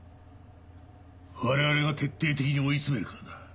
我々が徹底的に追い詰めるからだ。